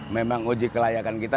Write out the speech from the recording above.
memang uji kelayakan kita